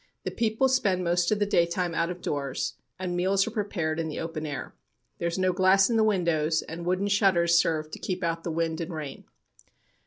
The people spend most of the daytime out of doors, and meals are prepared in the open air. There is no glass in the windows, and wooden shutters serve to keep out the wind and rain.